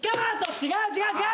違う違う違う。